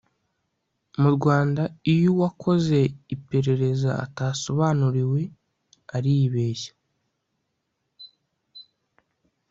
mu rwanda iyo uwakoze iperereza atasobanuriwe aribeshya